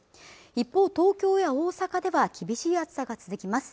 一方東京や大阪では厳しい暑さが続きます